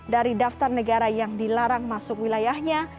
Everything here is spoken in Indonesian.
dari daftar negara yang dilarang masuk wilayahnya